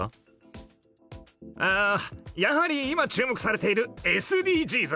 えやはり今注目されているＳＤＧｓ。